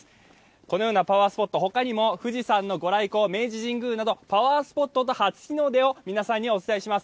このようなパワースポット、他にも富士山のご来光明治神宮などパワースポットと初日の出を皆さんにお伝えします。